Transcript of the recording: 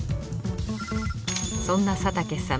そんな佐竹さん